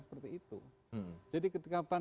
seperti itu jadi ketikapan